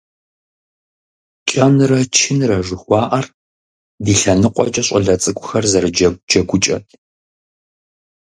КӀэнрэ чынрэ жыхуаӏэр ди лъэныкъуэкӏэ щӀалэ цӀыкӀухэр зэрыджэгу джэгукӀэт.